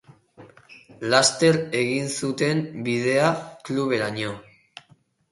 Laster egin zuten bidea cluberaino.